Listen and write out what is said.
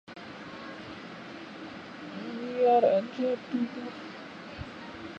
When the engine was first unveiled promotional literature described power and torque as 'adequate'.